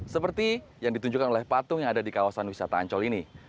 seperti yang ditunjukkan oleh patung yang ada di kawasan wisata ancol ini